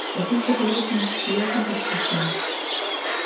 O piso quedou como si estivese en construción.